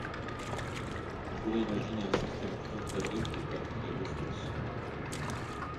On pourrait imaginer un système plus encadré pour le plafond des ressources.